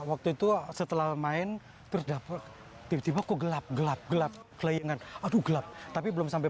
waktu itu setelah main terdapat tiba tiba gelap gelap gelap keleingan aduh gelap tapi belum sampai